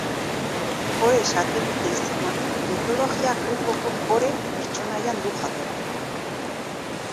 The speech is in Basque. Kore satelite-izena mitologia grekoko Kore pertsonaian du jatorria.